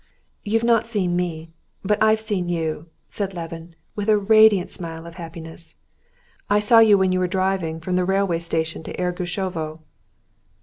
"You've not seen me, but I've seen you," said Levin, with a radiant smile of happiness. "I saw you when you were driving from the railway station to Ergushovo."